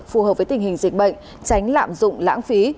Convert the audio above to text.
phù hợp với tình hình dịch bệnh tránh lạm dụng lãng phí